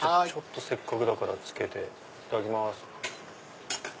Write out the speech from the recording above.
せっかくだからつけていただきます。